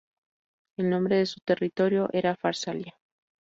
El nombre de su territorio era Farsalia.